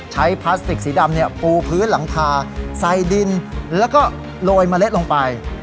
พลาสติกสีดำปูพื้นหลังคาใส่ดินแล้วก็โรยเมล็ดลงไป